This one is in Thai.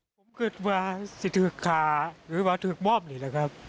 ผมคิดว่าสิทธิ์ขาหรือว่าสิทธิ์ม่อมนี่แหละครับ